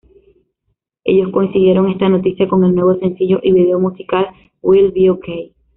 Ellos coincidieron esta noticia con el nuevo sencillo y video musical "We'll Be Okay".